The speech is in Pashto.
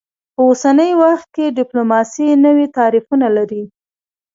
په اوسني وخت کې ډیپلوماسي نوي تعریفونه لري